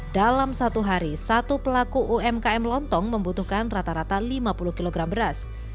dalam satu hari satu pelaku umkm lontong membutuhkan rata rata lima puluh kg beras